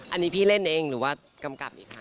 อันนี้พี่เล่นเองหรือว่ากำกับอีกคะ